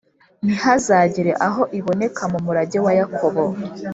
ntihazagire aho iboneka mu murage wa Yakobo!